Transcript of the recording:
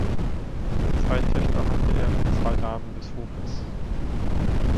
Zwei Töchter hatte er mit zwei Damen des Hofes.